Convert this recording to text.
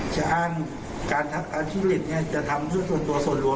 จะอ้างการทักษะภิกษ์จะทำเพื่อส่วนตัวส่วนรวม